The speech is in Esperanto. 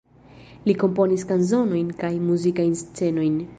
Li komponis kanzonojn kaj muzikajn scenojn.